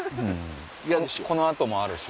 この後もあるし。